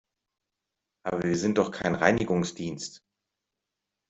Aber wir sind doch kein Reinigungsdienst!